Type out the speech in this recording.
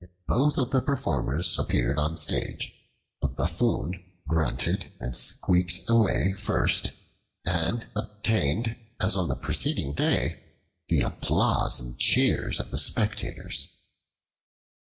Both of the performers appeared on the stage. The Buffoon grunted and squeaked away first, and obtained, as on the preceding day, the applause and cheers of the spectators.